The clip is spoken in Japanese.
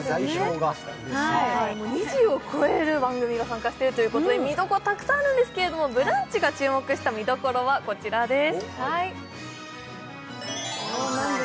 ２０を超える番組が参加しているということで見どころたくさんあるんですが、「ブランチ」が注目した見どころはこちらです。